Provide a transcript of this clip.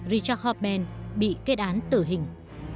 richard hauptmann bị kết án tử hình